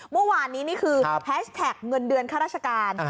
เมื่อวานนี้นี่คือแฮชแท็กเงินเดือนข้าราชการ